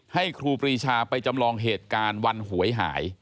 ครูปรีชาไปจำลองเหตุการณ์วันหวยหาย